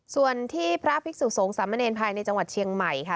ส่วนที่พระภิกษุสงฆ์สามเนรภายในจังหวัดเชียงใหม่ค่ะ